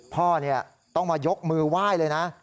พ่อต้องมายกมือไหว้เลยนะ